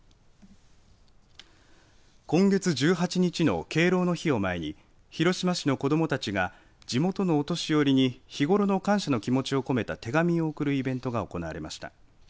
今月１８日の敬老の日を前に広島市の子どもたちが地元のお年寄りに日頃の感謝の気持ちを込めた手紙を贈るイベントが行われました。